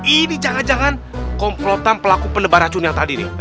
ini jangan jangan komplotan pelaku penebar racun yang tadi nih